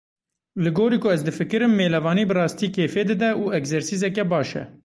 Li gorî ku ez difikirim mêlevanî bi rastî kêfê dide û egzersîzeke baş e.